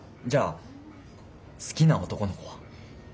じゃあ好きな男の子は？